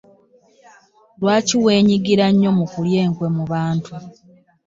Lwaki wenyigira nnyo mu kulya enkwe mu bantu?